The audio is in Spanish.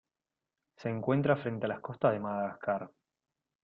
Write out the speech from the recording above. Se encuentra frente a las costas de Madagascar.